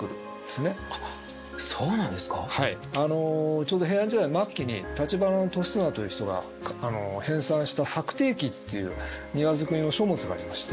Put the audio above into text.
ちょうど平安時代の末期に橘俊綱という人が編さんした「作庭記」っていう庭作りの書物がありまして